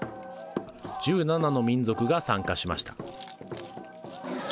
１７の民族が参加しました。